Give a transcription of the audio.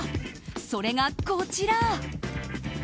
それが、こちら。